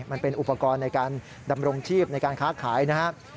มันเป็นอุปกรณ์ในการดำรงชีพในการค้าขายนะครับ